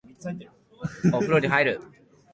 お風呂に入る